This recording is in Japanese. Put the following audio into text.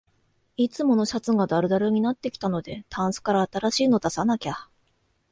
いつものシャツがだるだるになってきたので、タンスから新しいの出さなきゃ